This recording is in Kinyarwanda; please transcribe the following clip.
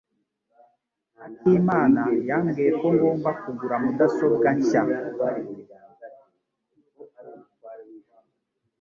Akimana yambwiye ko ngomba kugura mudasobwa nshya.